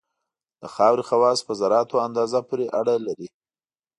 د خاورې خواص په ذراتو اندازه پورې اړه لري